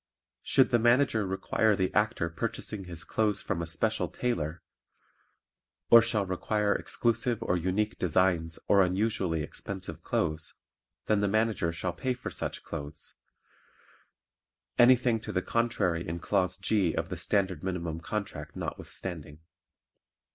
Should the Manager require the Actor purchasing his clothes from a special tailor or shall require exclusive or unique designs or unusually expensive clothes, then the Manager shall pay for such clothes, anything to the contrary in Clause G of the Standard Minimum Contract notwithstanding.